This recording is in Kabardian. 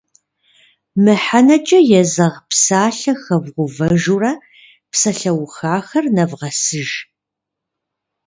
Мыхьэнэкӏэ езэгъ псалъэ хэвгъэувэжурэ псалъэухахэр нэвгъэсыж.